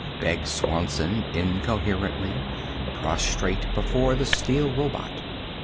begged Swanson incoherently, prostrate before the steel robot.